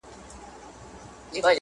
تاسي په عامو خلکو غوره بلل شوي یاست